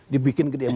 dibikin ke dia